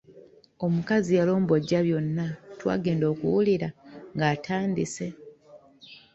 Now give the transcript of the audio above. Omukazi yalombojja byonna, twangenda okuwulira ng’atandise.